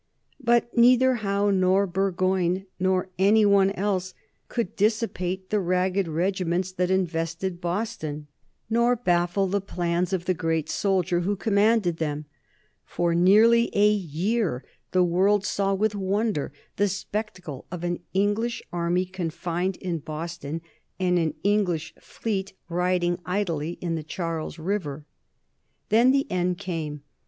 But neither Howe nor Burgoyne nor any one else could dissipate the ragged regiments that invested Boston, nor baffle the plans of the great soldier who commanded them. For nearly a year the world saw with wonder the spectacle of an English army confined in Boston, and an English fleet riding idly in the Charles River. Then the end came.